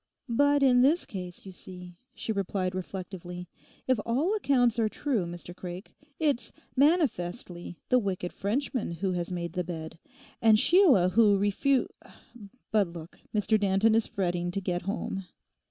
'But in this case, you see,' she replied reflectively, 'if all accounts are true, Mr Craik, it's manifestly the wicked Frenchman who has made the bed, and Sheila who refu—— But look; Mr Danton is fretting to get home.